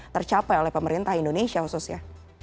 tercapai oleh pemerintah indonesia khususnya